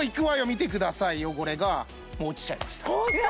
見てください汚れがもう落ちちゃいましたホント！